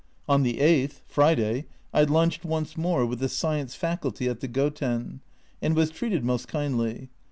On the 8th (Friday) I lunched once more with the Science Faculty at the Goten, and was treated most kindly.